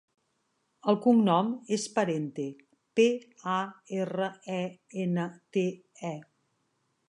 El cognom és Parente: pe, a, erra, e, ena, te, e.